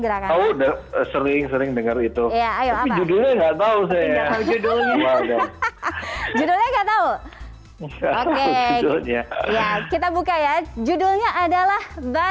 gerakan udah sering sering dengar itu ya ayo judulnya enggak tahu saya judulnya enggak tahu